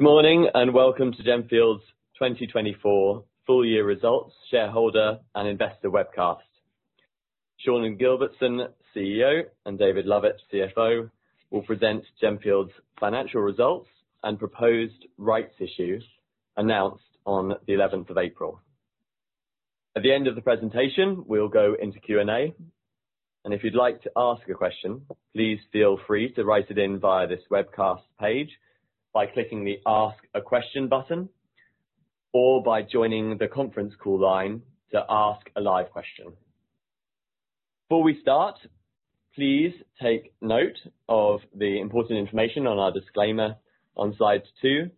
Good morning and welcome to Gemfields' 2024 full-year results shareholder and investor webcast. Sean Gilbertson, CEO, and David Lovett, CFO, will present Gemfields' financial results and proposed rights issues announced on the 11th of April. At the end of the presentation, we'll go into Q&A, and if you'd like to ask a question, please feel free to write it in via this webcast page by clicking the Ask a Question button or by joining the conference call line to ask a live question. Before we start, please take note of the important information on our disclaimer on two,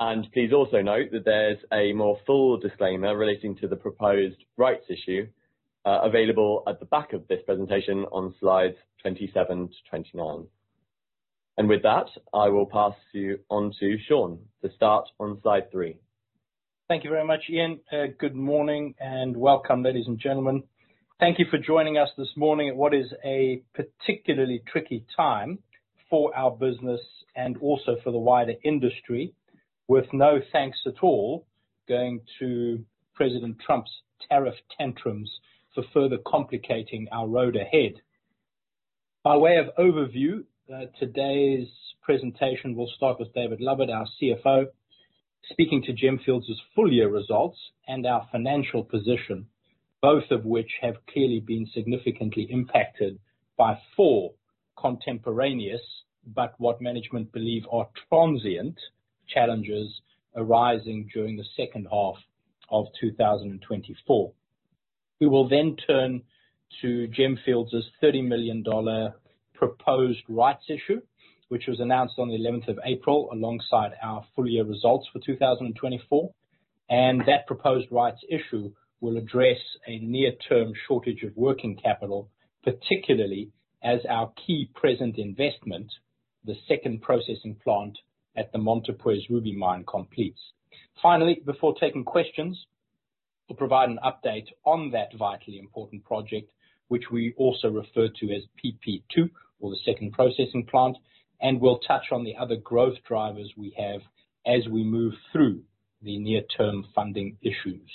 and please also note that there's a more full disclaimer relating to the proposed rights issue available at the back of this presentation on slides 27 to 29, and with that, I will pass you on to Sean to start on slide three. Thank you very much, Ian. Good morning and welcome, ladies and gentlemen. Thank you for joining us this morning at what is a particularly tricky time for our business and also for the wider industry, with no thanks at all going to President Trump's tariff tantrums for further complicating our road ahead. By way of overview, today's presentation will start with David Lovett, our CFO, speaking to Gemfields' full-year results and our financial position, both of which have clearly been significantly impacted by four contemporaneous, but what management believe are transient challenges arising during the second half of 2024. We will then turn to Gemfields' $30 million proposed rights issue, which was announced on the 11th of April alongside our full-year results for 2024. And that proposed rights issue will address a near-term shortage of working capital, particularly as our key present investment, the second processing plant at the Montepuez Ruby Mine, completes. Finally, before taking questions, we'll provide an update on that vitally important project, which we also refer to as PP2 or the second processing plant, and we'll touch on the other growth drivers we have as we move through the near-term funding issues.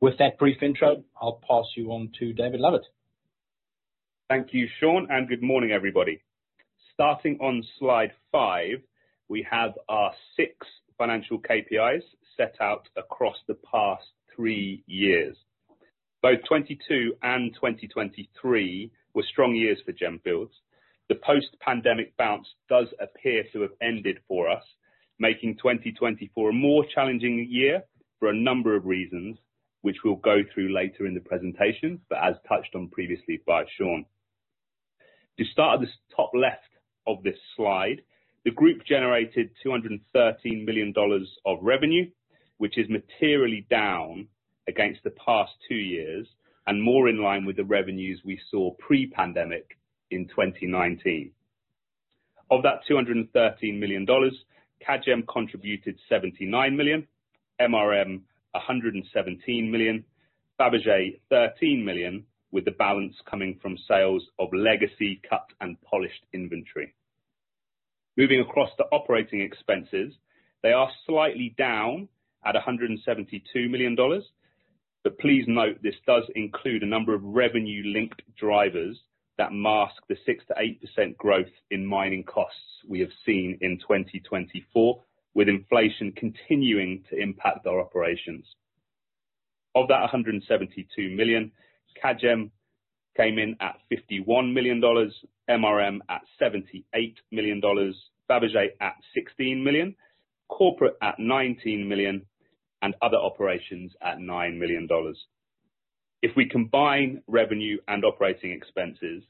With that brief intro, I'll pass you on to David Lovett. Thank you, Sean, and good morning, everybody. Starting on slide five, we have our six financial KPIs set out across the past three years. Both 2022 and 2023 were strong years for Gemfields. The post-pandemic bounce does appear to have ended for us, making 2024 a more challenging year for a number of reasons, which we'll go through later in the presentation, but as touched on previously by Sean. To start at the top left of this slide, the group generated $213 million of revenue, which is materially down against the past two years and more in line with the revenues we saw pre-pandemic in 2019. Of that $213 million, Kagem contributed $79 million, $117 million, Fabergé $13 million, with the balance coming from sales of legacy cut and polished inventory. Moving across to operating expenses, they are slightly down at $172 million, but please note this does include a number of revenue-linked drivers that mask the 6%-8% growth in mining costs we have seen in 2024, with inflation continuing to impact our operations. Of that $172 million, Kagem came in at $51 million, MRM at $78 million, Fabergé at $16 million, corporate at $19 million, and other operations at $9 million. If we combine revenue and operating expenses,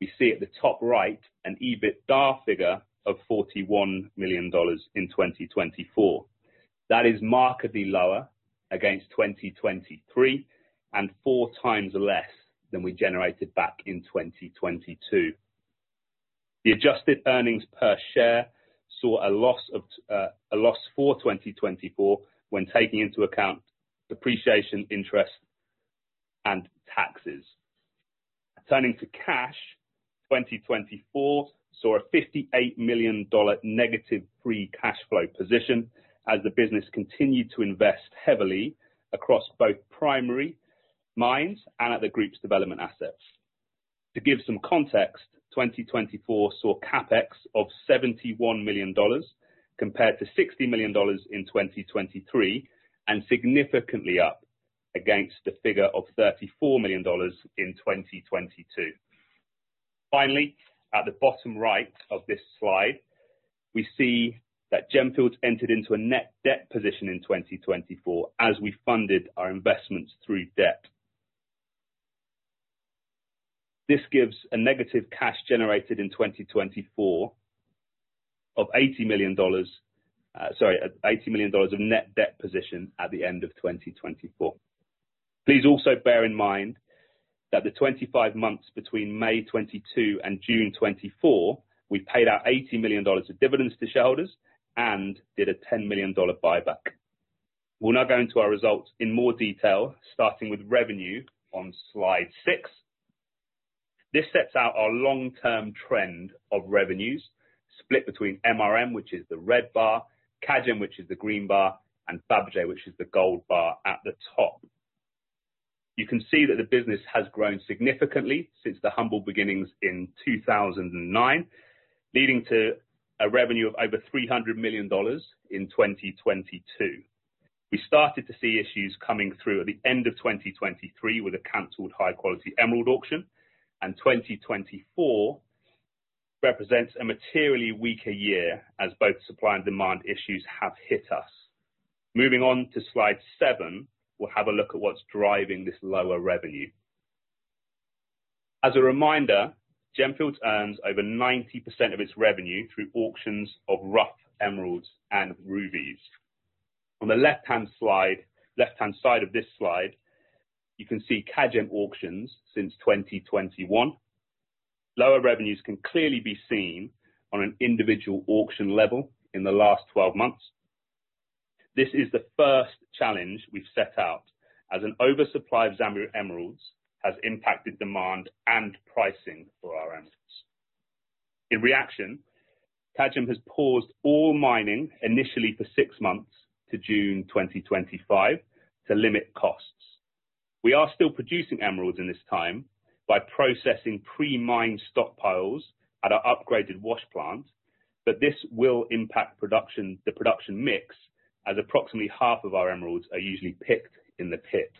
we see at the top right an EBITDA figure of $41 million in 2024. That is markedly lower against 2023 and four times less than we generated back in 2022. The adjusted earnings per share saw a loss for 2024 when taking into account depreciation, interest, and taxes. Turning to cash, 2024 saw a $58 million negative free cash flow position as the business continued to invest heavily across both primary mines and at the group's development assets. To give some context, 2024 saw CapEx of $71 million compared to $60 million in 2023 and significantly up against the figure of $34 million in 2022. Finally, at the bottom right of this slide, we see that Gemfields entered into a net debt position in 2024 as we funded our investments through debt. This gives a negative cash generated in 2024 of $80 million of net debt position at the end of 2024. Please also bear in mind that the 25 months between May 2022 and June 2024, we paid out $80 million of dividends to shareholders and did a $10 million buyback. We'll now go into our results in more detail, starting with revenue on slide six. This sets out our long-term trend of revenues split between MRM, which is the red bar, Kagem, which is the green bar, and Fabergé, which is the gold bar at the top. You can see that the business has grown significantly since the humble beginnings in 2009, leading to a revenue of over $300 million in 2022. We started to see issues coming through at the end of 2023 with a canceled high-quality emerald auction, and 2024 represents a materially weaker year as both supply and demand issues have hit us. Moving on to slide 7, we'll have a look at what's driving this lower revenue. As a reminder, Gemfields earns over 90% of its revenue through auctions of rough emeralds and rubies. On the left-hand side of this slide, you can see Kagem auctions since 2021. Lower revenues can clearly be seen on an individual auction level in the last 12 months. This is the first challenge we've set out as an oversupply of Zambian emeralds has impacted demand and pricing for our emeralds. In reaction, Kagem has paused all mining initially for six months to June 2025 to limit costs. We are still producing emeralds in this time by processing pre-mined stockpiles at our upgraded wash plant, but this will impact the production mix as approximately half of our emeralds are usually picked in the pit.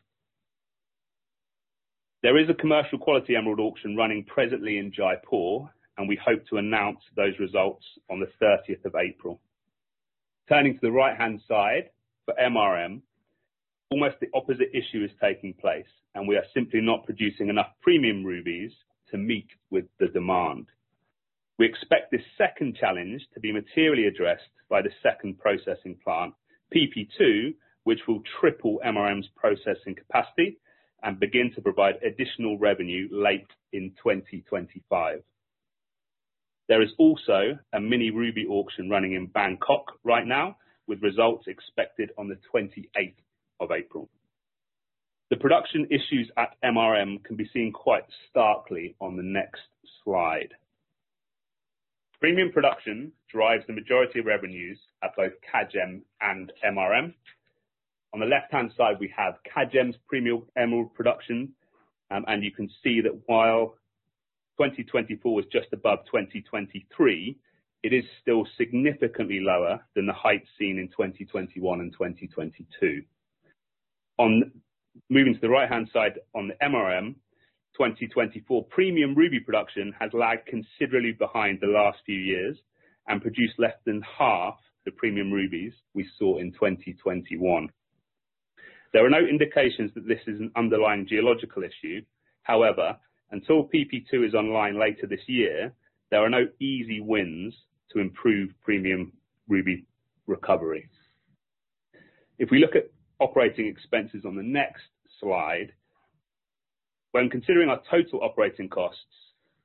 There is a commercial quality emerald auction running presently in Jaipur, and we hope to announce those results on the 30th of April. Turning to the right-hand side for MRM, almost the opposite issue is taking place, and we are simply not producing enough premium rubies to meet with the demand. We expect this second challenge to be materially addressed by the second processing plant, PP2, which will triple MRM's processing capacity and begin to provide additional revenue late in 2025. There is also a mini ruby auction running in Bangkok right now, with results expected on the 28th of April. The production issues at MRM can be seen quite starkly on the next slide. Premium production drives the majority of revenues at both Kagem and MRM. On the left-hand side, we have Kagem's premium emerald production, and you can see that while 2024 was just above 2023, it is still significantly lower than the heights seen in 2021 and 2022. Moving to the right-hand side on the MRM, 2024 premium ruby production has lagged considerably behind the last few years and produced less than half the premium rubies we saw in 2021. There are no indications that this is an underlying geological issue. However, until PP2 is online later this year, there are no easy wins to improve premium ruby recovery. If we look at operating expenses on the next slide, when considering our total operating costs,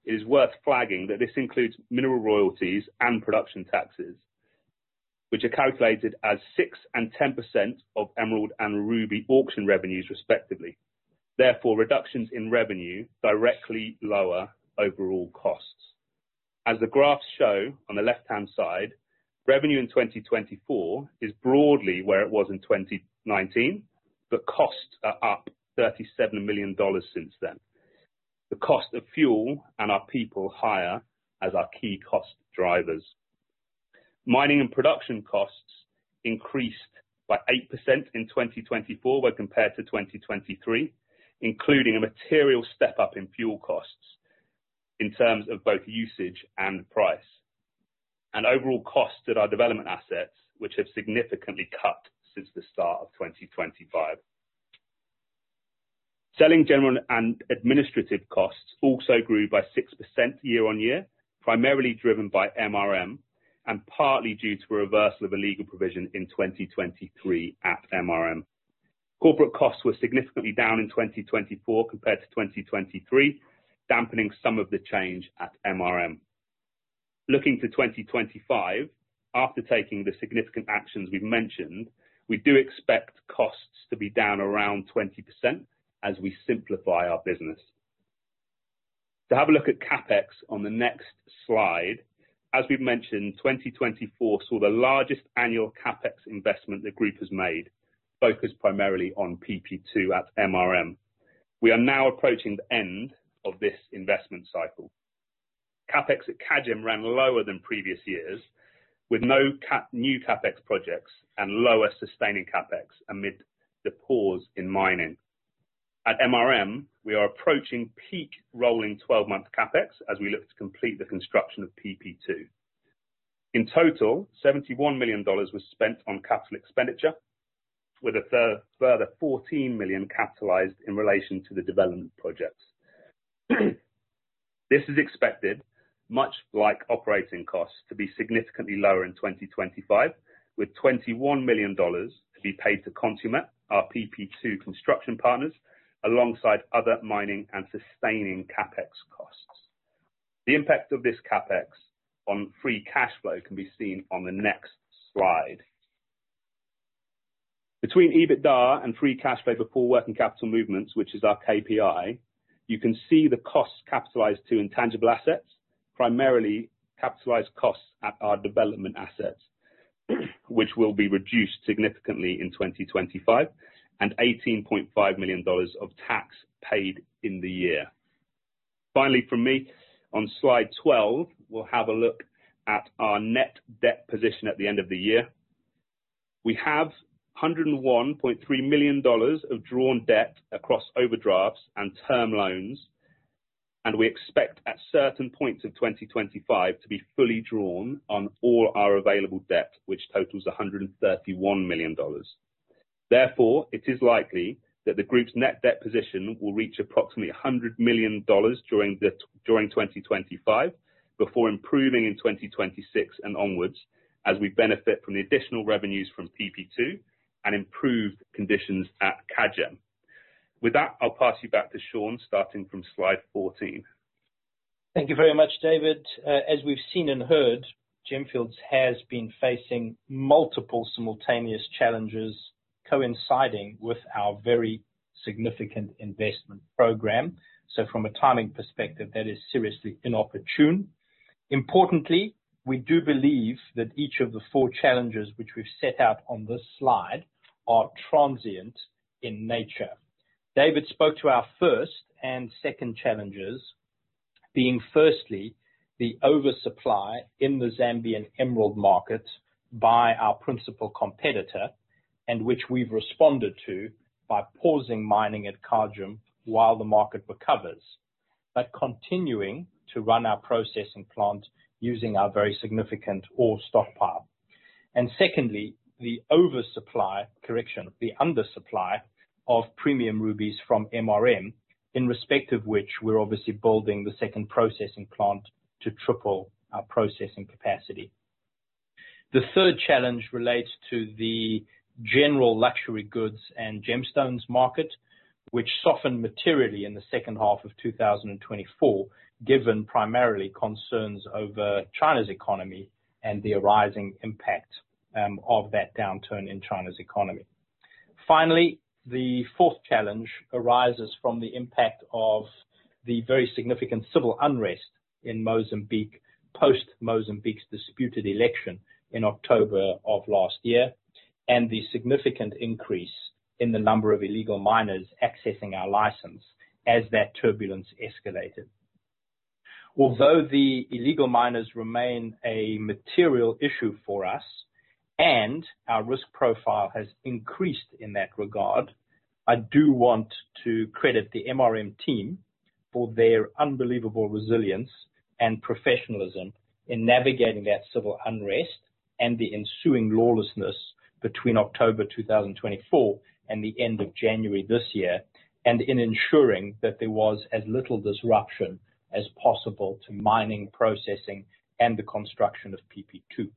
it is worth flagging that this includes mineral royalties and production taxes, which are calculated as 6% and 10% of emerald and ruby auction revenues, respectively. Therefore, reductions in revenue directly lower overall costs. As the graphs show on the left-hand side, revenue in 2024 is broadly where it was in 2019, but costs are up $37 million since then. The cost of fuel and our people are higher as our key cost drivers. Mining and production costs increased by 8% in 2024 when compared to 2023, including a material step up in fuel costs in terms of both usage and price, and overall costs at our development assets, which have significantly cut since the start of 2025. Selling general and administrative costs also grew by 6% year on year, primarily driven by MRM and partly due to a reversal of a legal provision in 2023 at MRM. Corporate costs were significantly down in 2024 compared to 2023, dampening some of the change at MRM. Looking to 2025, after taking the significant actions we've mentioned, we do expect costs to be down around 20% as we simplify our business. To have a look at CapEx on the next slide, as we've mentioned, 2024 saw the largest annual CapEx investment the group has made, focused primarily on PP2 at MRM. We are now approaching the end of this investment cycle. CapEx at Kagem ran lower than previous years, with no new CapEx projects and lower sustaining CapEx amid the pause in mining. At MRM, we are approaching peak rolling 12-month CapEx as we look to complete the construction of PP2. In total, $71 million was spent on capital expenditure, with a further $14 million capitalized in relation to the development projects. This is expected, much like operating costs, to be significantly lower in 2025, with $21 million to be paid to Consulmet, our PP2 construction partners, alongside other mining and sustaining CapEx costs. The impact of this CapEx on free cash flow can be seen on the next slide. Between EBITDA and free cash flow before working capital movements, which is our KPI, you can see the costs capitalized to intangible assets, primarily capitalized costs at our development assets, which will be reduced significantly in 2025, and $18.5 million of tax paid in the year. Finally, from me, on slide 12, we'll have a look at our net debt position at the end of the year. We have $101.3 million of drawn debt across overdrafts and term loans, and we expect at certain points of 2025 to be fully drawn on all our available debt, which totals $131 million. Therefore, it is likely that the group's net debt position will reach approximately $100 million during 2025 before improving in 2026 and onwards as we benefit from the additional revenues from PP2 and improved conditions at Kagem. With that, I'll pass you back to Sean starting from slide 14. Thank you very much, David. As we've seen and heard, Gemfields has been facing multiple simultaneous challenges coinciding with our very significant investment program. So from a timing perspective, that is seriously inopportune. Importantly, we do believe that each of the four challenges which we've set out on this slide are transient in nature. David spoke to our first and second challenges, being firstly the oversupply in the Zambian emerald market by our principal competitor, and which we've responded to by pausing mining at Kagem while the market recovers, but continuing to run our processing plant using our very significant ore stockpile. And secondly, the oversupply, correction, the undersupply of premium rubies from MRM, in respect of which we're obviously building the second processing plant to triple our processing capacity. The third challenge relates to the general luxury goods and gemstones market, which softened materially in the second half of 2024, given primarily concerns over China's economy and the arising impact of that downturn in China's economy. Finally, the fourth challenge arises from the impact of the very significant civil unrest in Mozambique post-Mozambique's disputed election in October of last year and the significant increase in the number of illegal miners accessing our license as that turbulence escalated. Although the illegal miners remain a material issue for us and our risk profile has increased in that regard, I do want to credit the MRM team for their unbelievable resilience and professionalism in navigating that civil unrest and the ensuing lawlessness between October 2024 and the end of January this year, and in ensuring that there was as little disruption as possible to mining, processing, and the construction of PP2.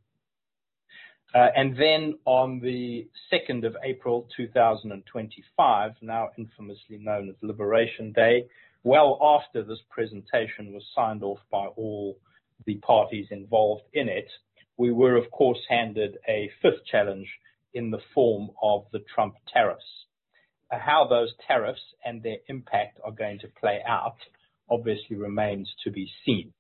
And then on the 2nd of April 2025, now infamously known as Liberation Day, well after this presentation was signed off by all the parties involved in it, we were, of course, handed a fifth challenge in the form of the Trump tariffs. How those tariffs and their impact are going to play out obviously remains to be seen.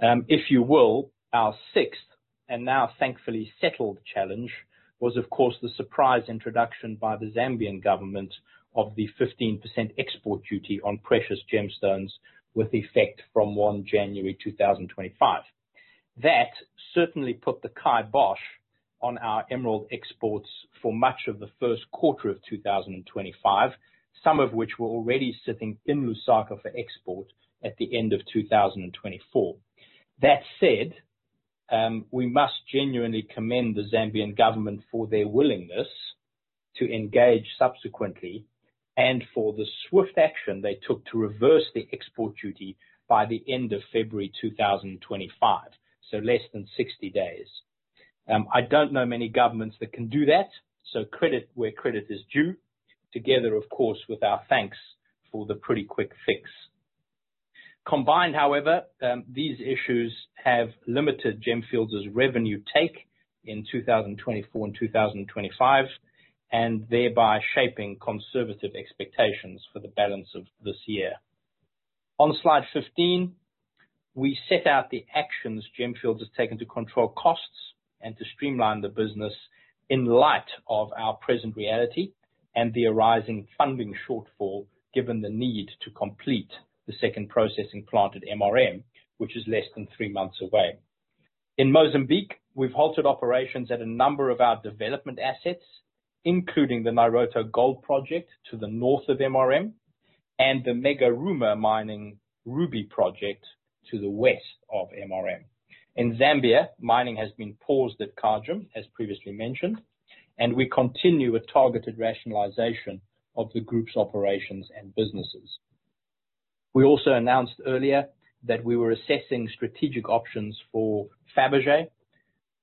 If you will, our sixth and now thankfully settled challenge was, of course, the surprise introduction by the Zambian government of the 15% export duty on precious gemstones with effect from 1 January 2025. That certainly put the kibosh on our emerald exports for much of the first quarter of 2025, some of which were already sitting in Lusaka for export at the end of 2024. That said, we must genuinely commend the Zambian government for their willingness to engage subsequently and for the swift action they took to reverse the export duty by the end of February 2025, so less than 60 days. I don't know many governments that can do that, so credit where credit is due, together, of course, with our thanks for the pretty quick fix. Combined, however, these issues have limited Gemfields' revenue take in 2024 and 2025, and thereby shaping conservative expectations for the balance of this year. On slide 15, we set out the actions Gemfields has taken to control costs and to streamline the business in light of our present reality and the arising funding shortfall given the need to complete the second processing plant at MRM, which is less than three months away. In Mozambique, we've halted operations at a number of our development assets, including the Nairoto Gold Project to the north of MRM and the Megaruma Mining Ruby Project to the west of MRM. In Zambia, mining has been paused at Kagem, as previously mentioned, and we continue a targeted rationalization of the group's operations and businesses. We also announced earlier that we were assessing strategic options for Fabergé.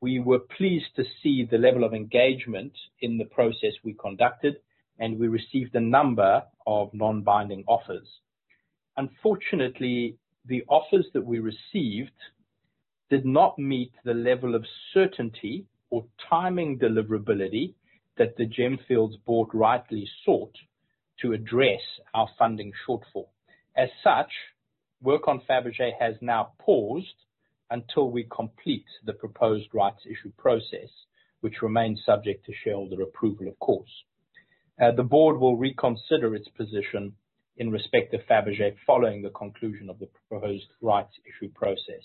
We were pleased to see the level of engagement in the process we conducted, and we received a number of non-binding offers. Unfortunately, the offers that we received did not meet the level of certainty or timing deliverability that the Gemfields board rightly sought to address our funding shortfall. As such, work on Fabergé has now paused until we complete the proposed rights issue process, which remains subject to shareholder approval, of course. The board will reconsider its position in respect of Fabergé following the conclusion of the proposed rights issue process.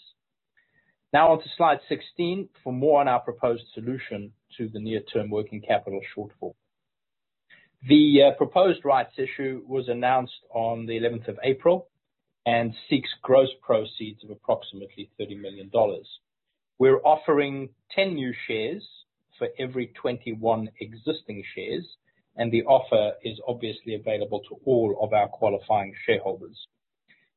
Now on to slide 16 for more on our proposed solution to the near-term working capital shortfall. The proposed rights issue was announced on the 11th of April and seeks gross proceeds of approximately $30 million. We're offering 10 new shares for every 21 existing shares, and the offer is obviously available to all of our qualifying shareholders.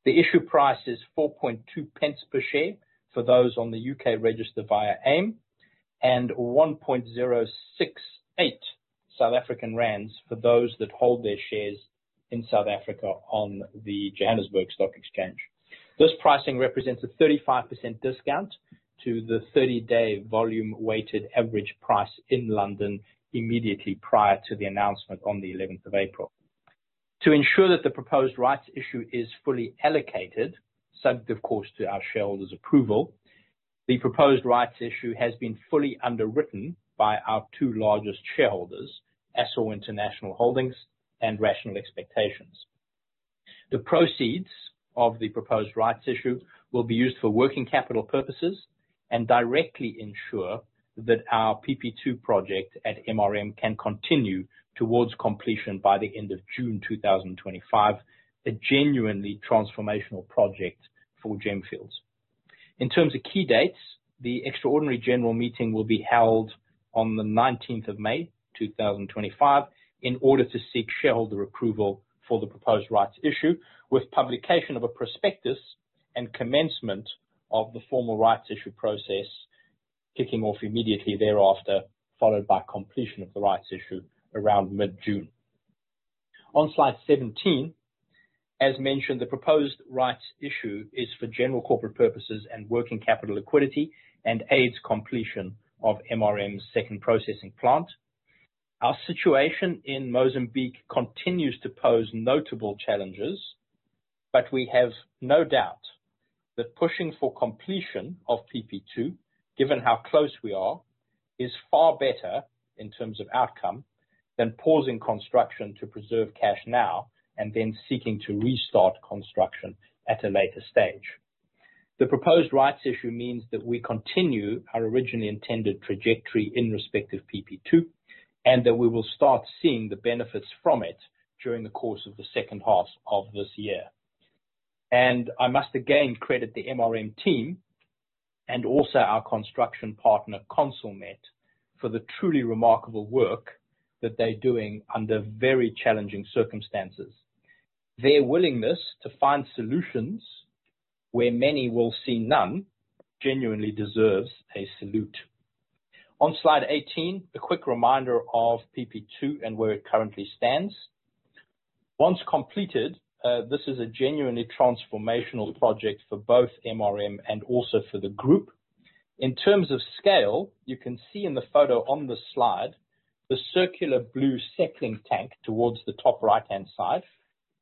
The issue price is 4.2 pence per share for those on the U.K. register via AIM and 1.068 South African rand for those that hold their shares in South Africa on the Johannesburg Stock Exchange. This pricing represents a 35% discount to the 30-day volume-weighted average price in London immediately prior to the announcement on the 11th of April. To ensure that the proposed rights issue is fully allocated, subject, of course, to our shareholders' approval, the proposed rights issue has been fully underwritten by our two largest shareholders, Assore International Holdings and Rational Expectations. The proceeds of the proposed rights issue will be used for working capital purposes and directly ensure that our PP2 project at MRM can continue towards completion by the end of June 2025, a genuinely transformational project for Gemfields. In terms of key dates, the extraordinary general meeting will be held on the 19th of May 2025 in order to seek shareholder approval for the proposed rights issue, with publication of a prospectus and commencement of the formal rights issue process kicking off immediately thereafter, followed by completion of the rights issue around mid-June. On slide 17, as mentioned, the proposed rights issue is for general corporate purposes and working capital liquidity and aids completion of MRM's second processing plant. Our situation in Mozambique continues to pose notable challenges, but we have no doubt that pushing for completion of PP2, given how close we are, is far better in terms of outcome than pausing construction to preserve cash now and then seeking to restart construction at a later stage. The proposed rights issue means that we continue our originally intended trajectory in respect of PP2 and that we will start seeing the benefits from it during the course of the second half of this year. And I must again credit the MRM team and also our construction partner, Consulmet, for the truly remarkable work that they're doing under very challenging circumstances. Their willingness to find solutions where many will see none genuinely deserves a salute. On slide 18, a quick reminder of PP2 and where it currently stands. Once completed, this is a genuinely transformational project for both MRM and also for the group. In terms of scale, you can see in the photo on the slide the circular blue settling tank towards the top right-hand side,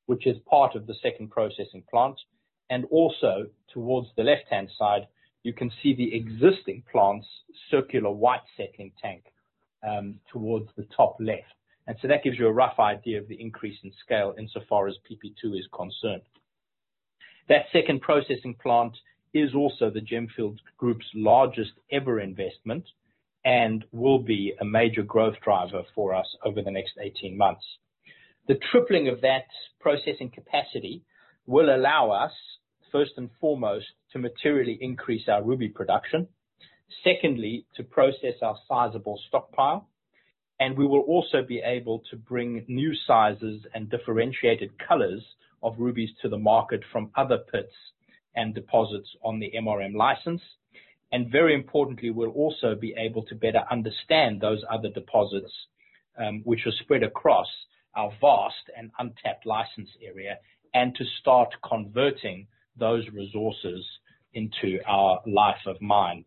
which is part of the second processing plant, and also towards the left-hand side, you can see the existing plant's circular white settling tank towards the top left, and so that gives you a rough idea of the increase in scale insofar as PP2 is concerned. That second processing plant is also the Gemfields Group's largest ever investment and will be a major growth driver for us over the next 18 months. The tripling of that processing capacity will allow us, first and foremost, to materially increase our ruby production. Secondly, to process our sizable stockpile. And we will also be able to bring new sizes and differentiated colors of rubies to the market from other pits and deposits on the MRM license. And very importantly, we'll also be able to better understand those other deposits, which are spread across our vast and untapped license area, and to start converting those resources into our life of mine.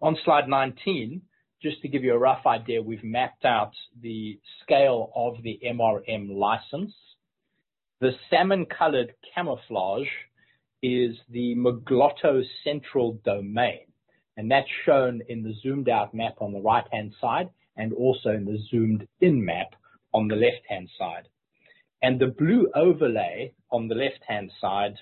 On slide 19, just to give you a rough idea, we've mapped out the scale of the MRM license. The salmon-colored camouflage is the Mugloto Central domain, and that's shown in the zoomed-out map on the right-hand side and also in the zoomed-in map on the left-hand side. The blue overlay on the left-hand side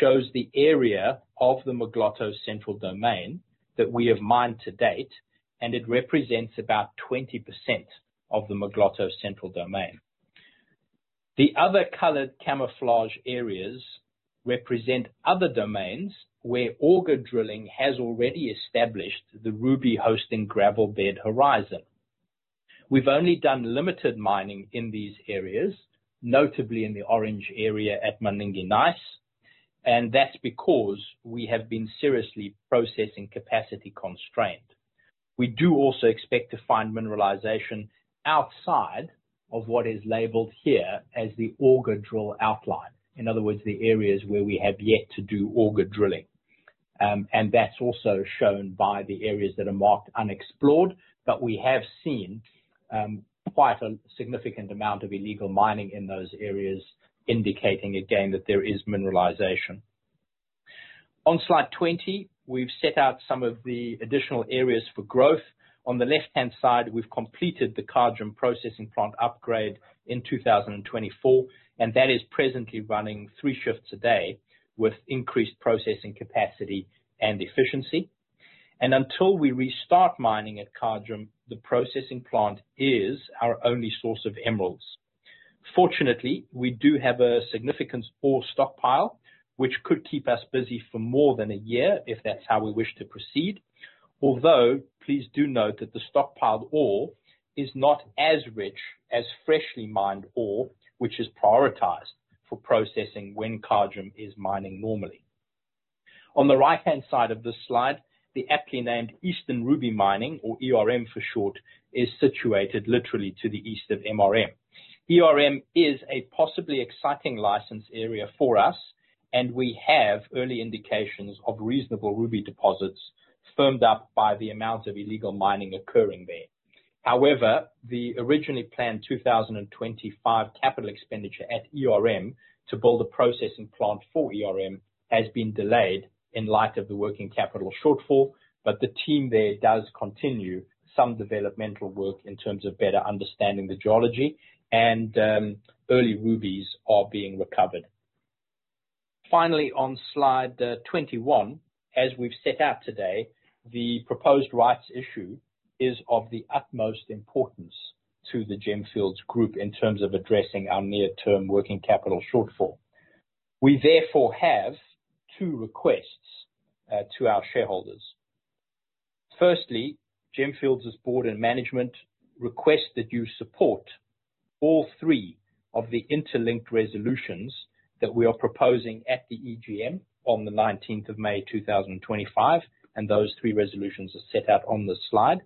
shows the area of the Mugloto Central domain that we have mined to date, and it represents about 20% of the Mugloto Central domain. The other colored camouflage areas represent other domains where auger drilling has already established the ruby-hosting gravel bed horizon. We've only done limited mining in these areas, notably in the orange area at Maninge Nice, and that's because we have been seriously processing capacity constrained. We do also expect to find mineralization outside of what is labeled here as the auger drill outline. In other words, the areas where we have yet to do auger drilling. That's also shown by the areas that are marked unexplored, but we have seen quite a significant amount of illegal mining in those areas, indicating again that there is mineralization. On slide 20, we've set out some of the additional areas for growth. On the left-hand side, we've completed the Kagem processing plant upgrade in 2024, and that is presently running three shifts a day with increased processing capacity and efficiency. Until we restart mining at Kagem, the processing plant is our only source of emeralds. Fortunately, we do have a significant ore stockpiled, which could keep us busy for more than a year if that's how we wish to proceed. Although, please do note that the stockpiled ore is not as rich as freshly mined ore, which is prioritized for processing when Kagem is mining normally. On the right-hand side of this slide, the aptly named Eastern Ruby Mining, or ERM for short, is situated literally to the east of MRM. is a possibly exciting license area for us, and we have early indications of reasonable ruby deposits firmed up by the amount of illegal mining occurring there. However, the originally planned 2025 capital expenditure to build a processing plant for Eastern Ruby Mining has been delayed in light of the working capital shortfall, but the team there does continue some developmental work in terms of better understanding the geology, and early rubies are being recovered. Finally, on slide 21, as we've set out today, the proposed rights issue is of the utmost importance to the Gemfields Group in terms of addressing our near-term working capital shortfall. We therefore have two requests to our shareholders. Firstly, Gemfields' board and management request that you support all three of the interlinked resolutions that we are proposing at the EGM on the 19th of May 2025, and those three resolutions are set out on this slide.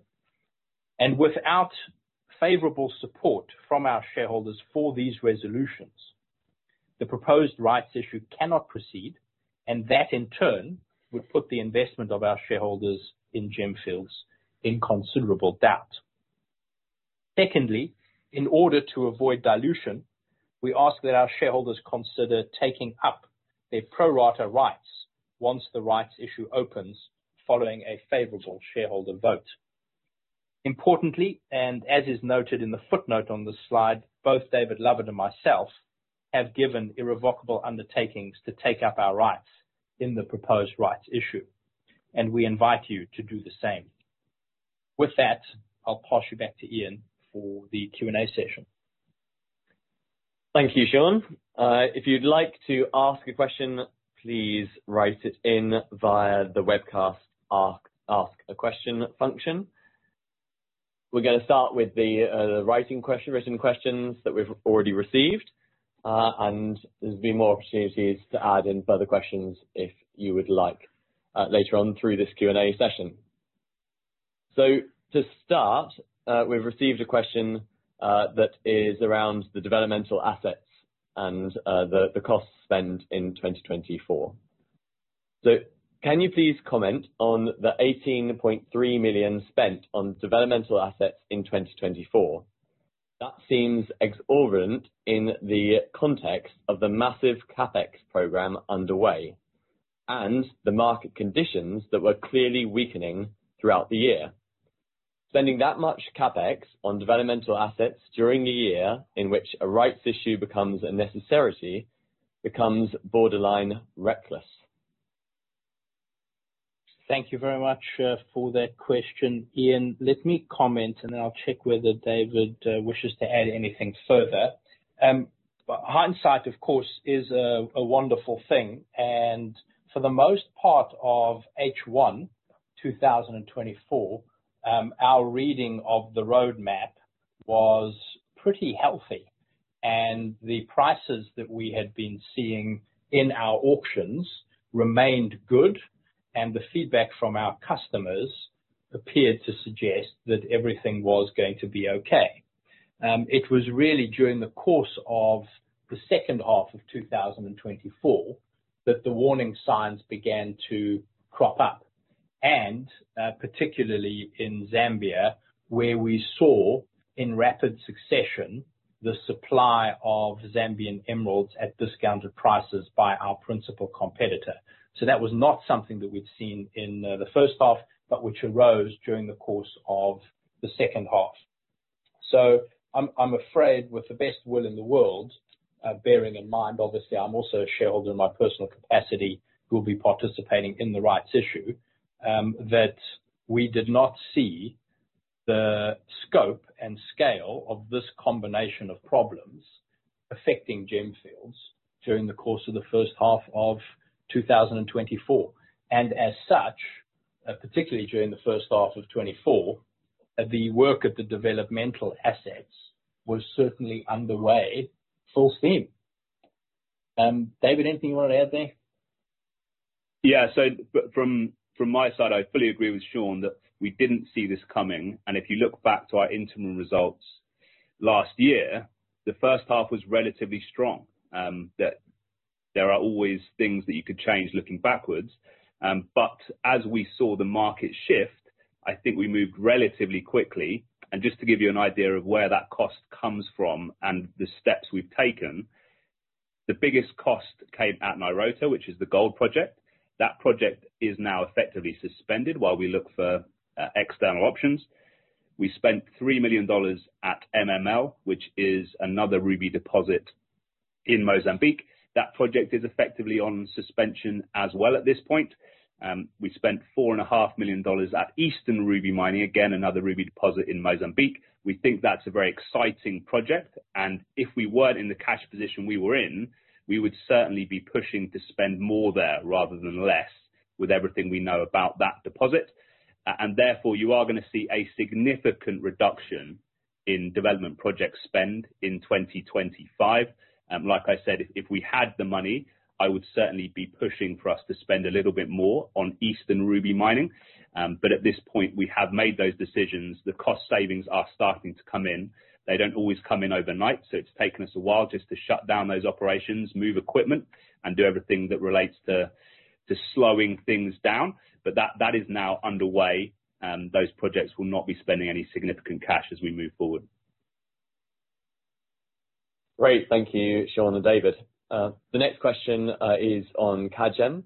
And without favorable support from our shareholders for these resolutions, the proposed rights issue cannot proceed, and that in turn would put the investment of our shareholders in Gemfields in considerable doubt. Secondly, in order to avoid dilution, we ask that our shareholders consider taking up their pro rata rights once the rights issue opens following a favorable shareholder vote. Importantly, and as is noted in the footnote on this slide, both David Lovett and myself have given irrevocable undertakings to take up our rights in the proposed rights issue, and we invite you to do the same. With that, I'll pass you back to Ian for the Q&A session. Thank you, Sean. If you'd like to ask a question, please write it in via the webcast Ask A Question function. We're going to start with the written questions that we've already received, and there'll be more opportunities to add in further questions if you would like later on through this Q&A session. So to start, we've received a question that is around the developmental assets and the costs spent in 2024. So can you please comment on the $18.3 million spent on developmental assets in 2024? That seems exorbitant in the context of the massive CapEx program underway and the market conditions that were clearly weakening throughout the year. Spending that much CapEx on developmental assets during the year in which a rights issue becomes a necessity becomes borderline reckless. Thank you very much for that question, Ian. Let me comment, and then I'll check whether David wishes to add anything further. Hindsight, of course, is a wonderful thing, and for the most part of H1 2024, our reading of the roadmap was pretty healthy, and the prices that we had been seeing in our auctions remained good, and the feedback from our customers appeared to suggest that everything was going to be okay. It was really during the course of the second half of 2024 that the warning signs began to crop up, and particularly in Zambia, where we saw in rapid succession the supply of Zambian emeralds at discounted prices by our principal competitor, so that was not something that we'd seen in the first half, but which arose during the course of the second half. So I'm afraid, with the best will in the world, bearing in mind, obviously, I'm also a shareholder in my personal capacity who will be participating in the rights issue, that we did not see the scope and scale of this combination of problems affecting Gemfields during the course of the first half of 2024. And as such, particularly during the first half of 2024, the work at the developmental assets was certainly underway full steam. David, anything you want to add there? Yeah, so from my side, I fully agree with Sean that we didn't see this coming, and if you look back to our interim results last year, the first half was relatively strong. There are always things that you could change looking backwards, but as we saw the market shift, I think we moved relatively quickly, and just to give you an idea of where that cost comes from and the steps we've taken, the biggest cost came at Nairoto, which is the gold project. That project is now effectively suspended while we look for external options. We spent $3 million at MML, which is another ruby deposit in Mozambique. That project is effectively on suspension as well at this point. We spent $4.5 million at Eastern Ruby Mining, again, another ruby deposit in Mozambique. We think that's a very exciting project. If we weren't in the cash position we were in, we would certainly be pushing to spend more there rather than less with everything we know about that deposit. Therefore, you are going to see a significant reduction in development project spend in 2025. Like I said, if we had the money, I would certainly be pushing for us to spend a little bit more on Eastern Ruby Mining. At this point, we have made those decisions. The cost savings are starting to come in. They don't always come in overnight, so it's taken us a while just to shut down those operations, move equipment, and do everything that relates to slowing things down. That is now underway, and those projects will not be spending any significant cash as we move forward. Great. Thank you, Sean and David. The next question is on Kagem.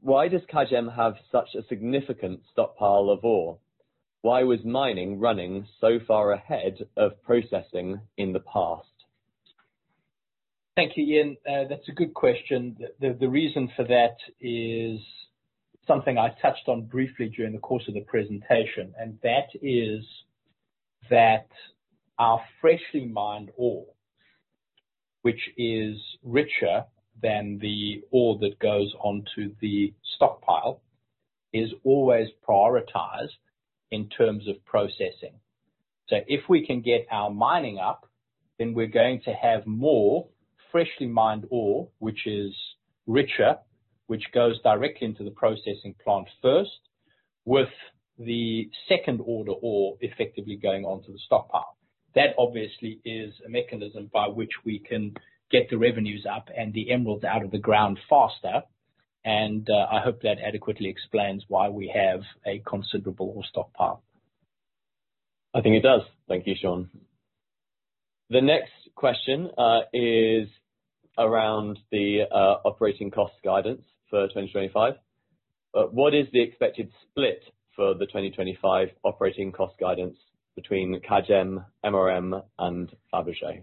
Why does Kagem have such a significant stockpile of ore? Why was mining running so far ahead of processing in the past? Thank you, Ian. That's a good question. The reason for that is something I touched on briefly during the course of the presentation, and that is that our freshly mined ore, which is richer than the ore that goes onto the stockpile, is always prioritized in terms of processing. So if we can get our mining up, then we're going to have more freshly mined ore, which is richer, which goes directly into the processing plant first, with the second-order ore effectively going onto the stockpile. That obviously is a mechanism by which we can get the revenues up and the emeralds out of the ground faster. I hope that adequately explains why we have a considerable ore stockpile. I think it does. Thank you, Sean. The next question is around the operating cost guidance for 2025. What is the expected split for the 2025 operating cost guidance between Kagem, MRM, and Fabergé?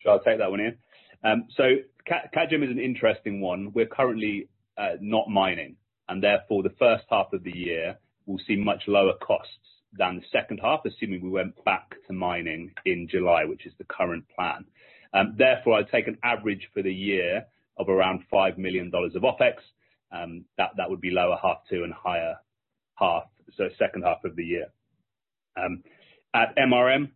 Sure. I'll take that one, Ian. So Kagem is an interesting one. We're currently not mining, and therefore, the first half of the year will see much lower costs than the second half, assuming we went back to mining in July, which is the current plan. Therefore, I'd take an average for the year of around $5 million of OpEx. That would be lower half to and higher half, so second half of the year. At MRM,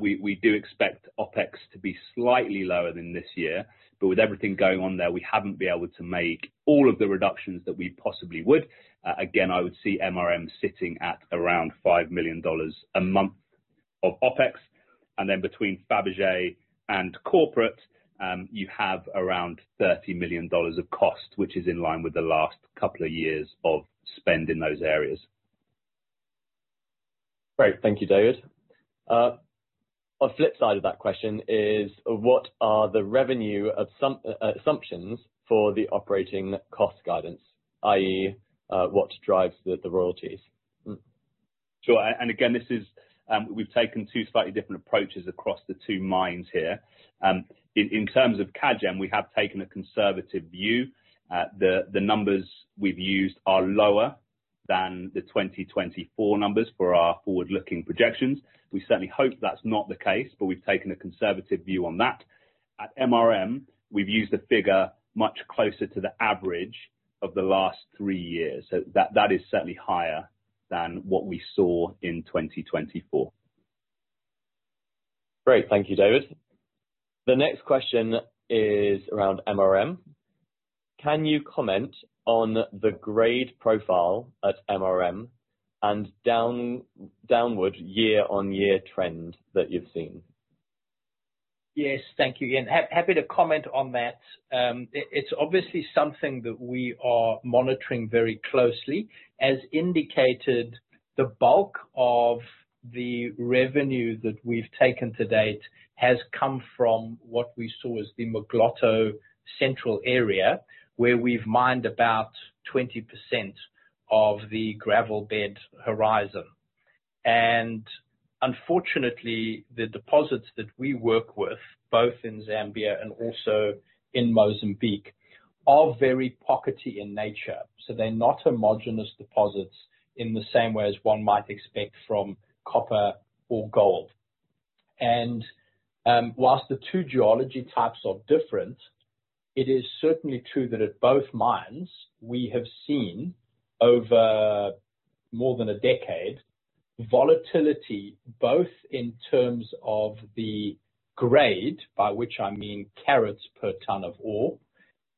we do expect OpEx to be slightly lower than this year, but with everything going on there, we haven't been able to make all of the reductions that we possibly would. Again, I would see MRM sitting at around $5 million a month of OpEx. And then between Fabergé and corporate, you have around $30 million of cost, which is in line with the last couple of years of spend in those areas. Great. Thank you, David. On the flip side of that question is, what are the revenue assumptions for the operating cost guidance, i.e., what drives the royalties? Sure. And again, we've taken two slightly different approaches across the two mines here. In terms of Kagem, we have taken a conservative view. The numbers we've used are lower than the 2024 numbers for our forward-looking projections. We certainly hope that's not the case, but we've taken a conservative view on that. At MRM, we've used a figure much closer to the average of the last three years. So that is certainly higher than what we saw in 2024. Great. Thank you, David. The next question is around MRM. Can you comment on the grade profile at MRM and downward year-on-year trend that you've seen? Yes. Thank you, Ian. Happy to comment on that. It's obviously something that we are monitoring very closely. As indicated, the bulk of the revenue that we've taken to date has come from what we saw as the Mugloto Central area, where we've mined about 20% of the gravel bed horizon. And unfortunately, the deposits that we work with, both in Zambia and also in Mozambique, are very pockety in nature. So they're not homogenous deposits in the same way as one might expect from copper or gold. And whilst the two geology types are different, it is certainly true that at both mines, we have seen over more than a decade volatility, both in terms of the grade, by which I mean carats per ton of ore,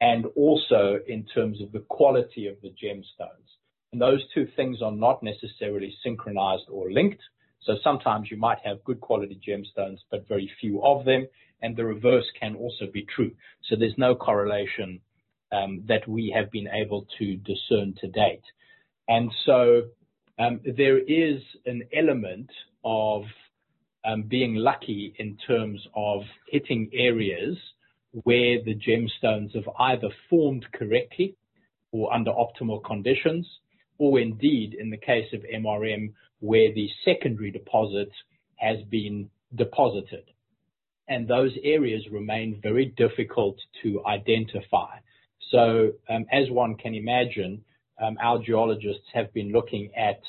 and also in terms of the quality of the gemstones. And those two things are not necessarily synchronized or linked. So sometimes you might have good quality gemstones, but very few of them, and the reverse can also be true. So there's no correlation that we have been able to discern to date. And so there is an element of being lucky in terms of hitting areas where the gemstones have either formed correctly or under optimal conditions, or indeed, in the case of MRM, where the secondary deposit has been deposited. And those areas remain very difficult to identify. So as one can imagine, our geologists have been looking at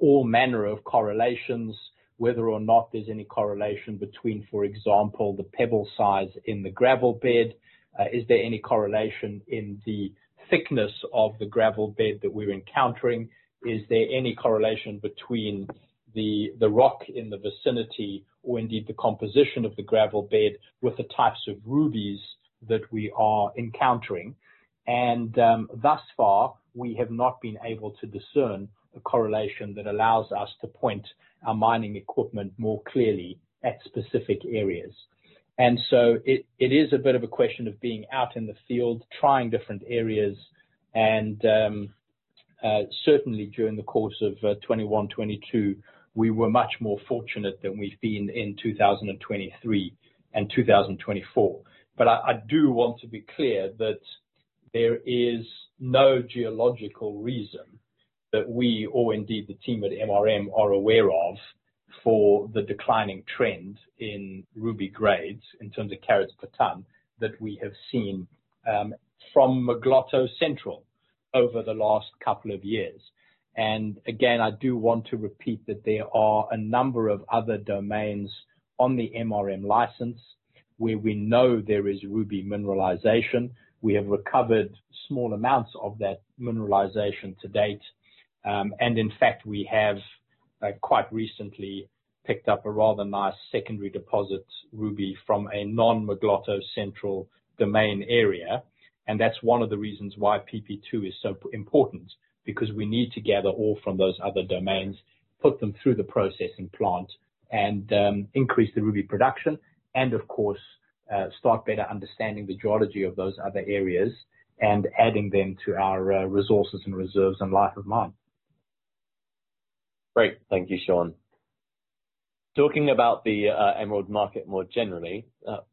all manner of correlations, whether or not there's any correlation between, for example, the pebble size in the gravel bed. Is there any correlation in the thickness of the gravel bed that we're encountering? Is there any correlation between the rock in the vicinity or indeed the composition of the gravel bed with the types of rubies that we are encountering? And thus far, we have not been able to discern a correlation that allows us to point our mining equipment more clearly at specific areas. And so it is a bit of a question of being out in the field, trying different areas. And certainly, during the course of 2021, 2022, we were much more fortunate than we've been in 2023 and 2024. But I do want to be clear that there is no geological reason that we or indeed the team at MRM are aware of for the declining trend in ruby grades in terms of carats per ton that we have seen from Mugloto Central over the last couple of years. And again, I do want to repeat that there are a number of other domains on the MRM license where we know there is ruby mineralization. We have recovered small amounts of that mineralization to date. And in fact, we have quite recently picked up a rather nice secondary deposit ruby from a non-Mugloto Central domain area. And that's one of the reasons why PP2 is so important, because we need to gather ore from those other domains, put them through the processing plant, and increase the ruby production, and of course, start better understanding the geology of those other areas and adding them to our resources and reserves and life of mine. Great. Thank you, Sean. Talking about the emerald market more generally,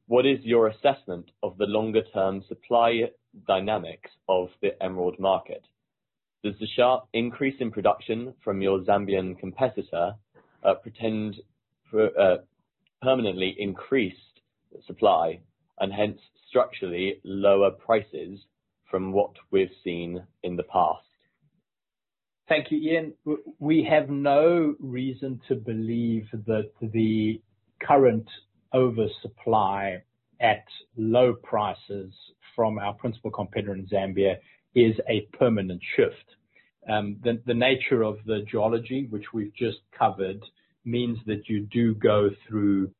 what is your assessment of the longer-term supply dynamics of the emerald market? Does the sharp increase in production from your Zambian competitor portend permanently increased supply and hence structurally lower prices from what we've seen in the past? Thank you, Ian. We have no reason to believe that the current oversupply at low prices from our principal competitor in Zambia is a permanent shift. The nature of the geology, which we've just covered, means that you do go through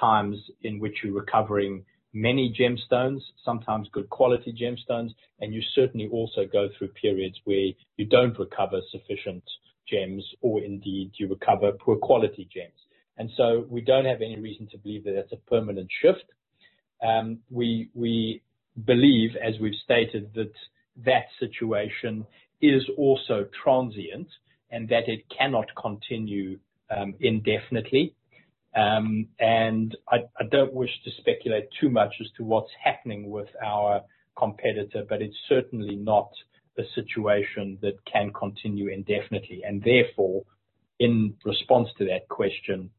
times in which you're recovering many gemstones, sometimes good quality gemstones, and you certainly also go through periods where you don't recover sufficient gems or indeed you recover poor quality gems. And so we don't have any reason to believe that that's a permanent shift. We believe, as we've stated, that that situation is also transient and that it cannot continue indefinitely. And I don't wish to speculate too much as to what's happening with our competitor, but it's certainly not a situation that can continue indefinitely. And therefore, in response to that question,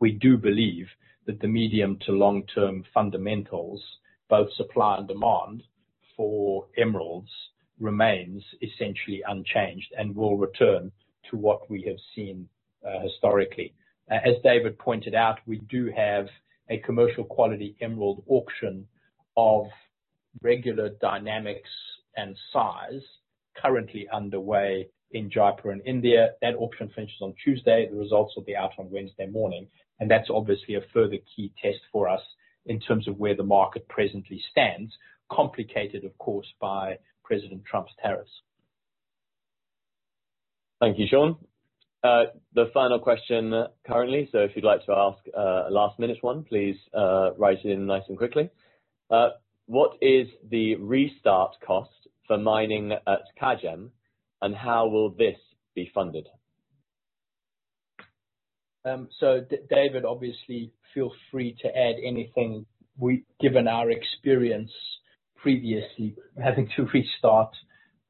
we do believe that the medium to long-term fundamentals, both supply and demand for emeralds, remains essentially unchanged and will return to what we have seen historically. As David pointed out, we do have a commercial quality emerald auction of regular dynamics and size currently underway in Jaipur in India. That auction finishes on Tuesday. The results will be out on Wednesday morning. And that's obviously a further key test for us in terms of where the market presently stands, complicated, of course, by President Trump's tariffs. Thank you, Sean. The final question currently, so if you'd like to ask a last-minute one, please write it in nice and quickly. What is the restart cost for mining at Kagem, and how will this be funded? David, obviously, feel free to add anything. We've given our experience previously having to restart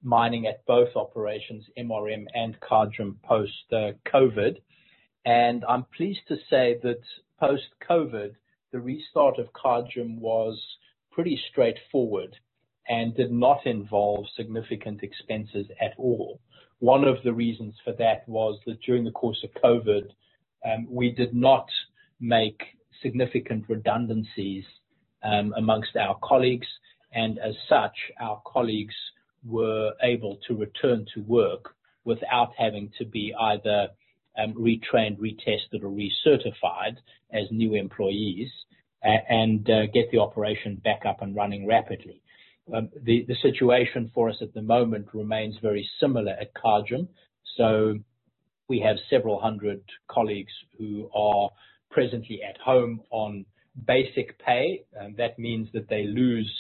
mining at both operations, MRM and Kagem, post-COVID. I'm pleased to say that post-COVID, the restart of Kagem was pretty straightforward and did not involve significant expenses at all. One of the reasons for that was that during the course of COVID, we did not make significant redundancies among our colleagues. As such, our colleagues were able to return to work without having to be either retrained, retested, or recertified as new employees and get the operation back up and running rapidly. The situation for us at the moment remains very similar at Kagem. We have several hundred colleagues who are presently at home on basic pay. That means that they lose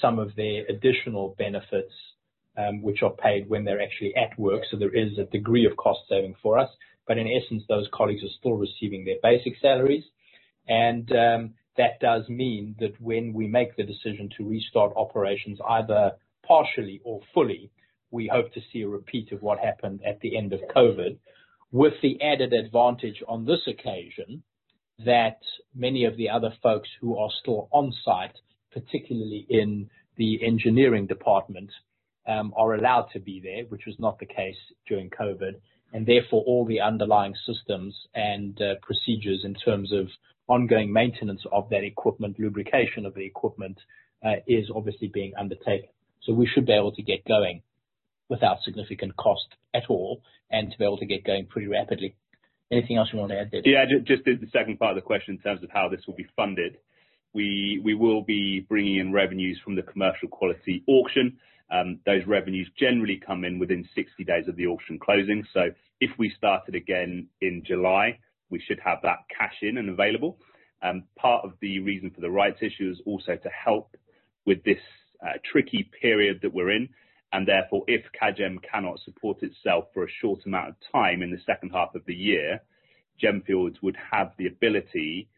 some of their additional benefits, which are paid when they're actually at work. So there is a degree of cost saving for us. But in essence, those colleagues are still receiving their basic salaries. And that does mean that when we make the decision to restart operations either partially or fully, we hope to see a repeat of what happened at the end of COVID, with the added advantage on this occasion that many of the other folks who are still on site, particularly in the engineering department, are allowed to be there, which was not the case during COVID. And therefore, all the underlying systems and procedures in terms of ongoing maintenance of that equipment, lubrication of the equipment, is obviously being undertaken. So we should be able to get going without significant cost at all and to be able to get going pretty rapidly. Anything else you want to add there? Yeah, just the second part of the question in terms of how this will be funded. We will be bringing in revenues from the commercial quality auction. Those revenues generally come in within 60 days of the auction closing. So, if we started again in July, we should have that cash in and available. Part of the reason for the rights issue is also to help with this tricky period that we're in, and therefore, if Kagem cannot support itself for a short amount of time in the second half of the year, Gemfields would have the ability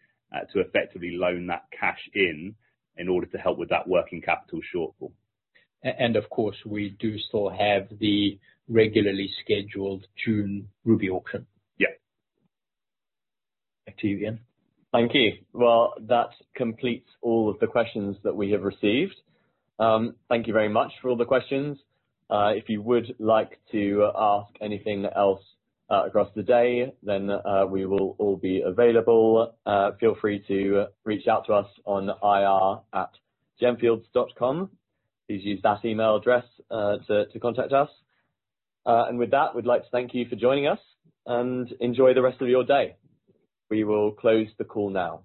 to effectively loan that cash in in order to help with that working capital shortfall. Of course, we do still have the regularly scheduled June ruby auction. Yeah. Back to you, Ian. Thank you. Well, that completes all of the questions that we have received. Thank you very much for all the questions. If you would like to ask anything else across the day, then we will all be available. Feel free to reach out to us on ir@gemfields.com. Please use that email address to contact us. And with that, we'd like to thank you for joining us and enjoy the rest of your day. We will close the call now.